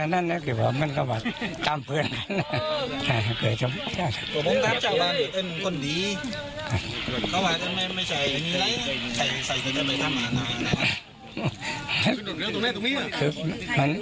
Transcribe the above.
ตามเพื่อน